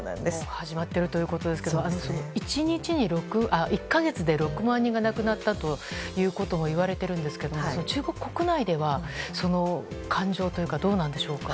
始まっているということですが１か月で６万人が亡くなったということもいわれているんですけども中国国内では感情というのはどうなんでしょうか。